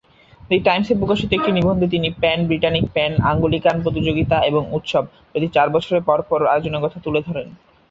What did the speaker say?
The টাইমসে প্রকাশিত একটি নিবন্ধে তিনি "প্যান-ব্রিটানিক-প্যান-অ্যাঙ্গলিকান প্রতিযোগিতা এবং উৎসব" প্রতি চার বছর পরপর আয়োজনের কথা তুলে ধরেন।